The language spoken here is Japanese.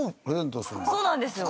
そうなんですよ。